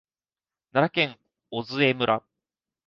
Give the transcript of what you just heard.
奈良県御杖村